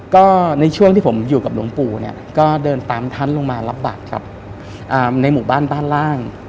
ก็ในช่วงที่ผมอยู่กับหลวงปู่เนี่ยก็เดินตามท่านลงมารับบัตรกับในหมู่บ้านบ้านล่าง